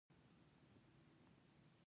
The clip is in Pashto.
کچرې غرنۍ او درنې وسلې پرې بار وې، چې ډېرې وې.